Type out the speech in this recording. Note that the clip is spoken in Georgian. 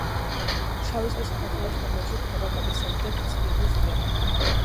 შავი ზღვის საქართველოს ფარგლებში გვხვდება კატისებრი და ქიცვიანი ზვიგენები.